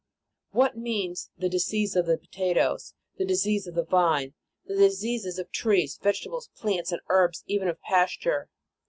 What means the disease of the potatoes, the disease of the vine, the diseases of trees, vegetables, plants, and herbs, even of pasture